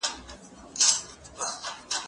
ته ولي مځکي ته ګورې،